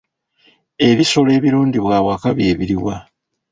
Ebisolo ebirundibwa awaka bye biriwa?